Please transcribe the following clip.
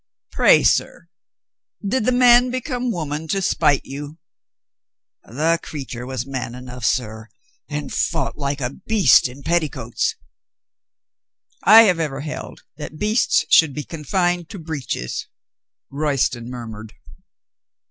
"Pray, sir, did the man become woman to spite you ?" "The creature was man enough, sir, and fought like a beast in petticoats —" "I have ever held that beasts should be confined to breeches," Royston murmured.